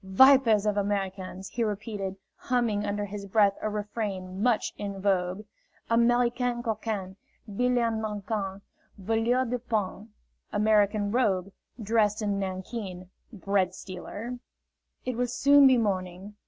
"Vipers of Americans!" he repeated, humming under his breath a refrain much in vogue: "Americam coquin, 'Bille en nanquin, Voleur du pain." ("American rogue, dressed in nankeen, bread stealer.") "It will soon be morning."